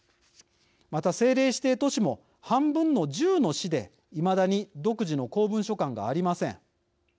また、政令指定都市も半分の１０の市で、いまだに独自の公文書館がありません。